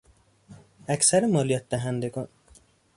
اکثر مالیاتدهندگان